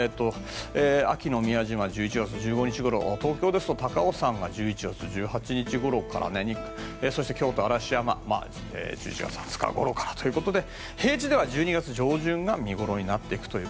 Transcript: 秋の宮島１１月１５日ごろ東京ですと高尾山が１１月１８日ごろからそして、京都・嵐山１１月２０日ごろからということで平地では１２月上旬が見頃になっていくと。